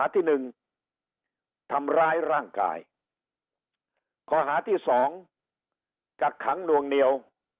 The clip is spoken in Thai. ที่หนึ่งทำร้ายร่างกายข้อหาที่สองกักขังนวงเหนียว